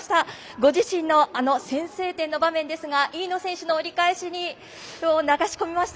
ご自身のあの先制点の場面ですが飯野選手の折り返しに流し込みました。